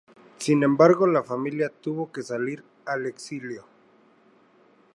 Sin embargo, la familia tuvo que salir al exilio.